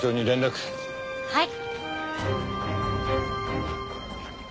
はい！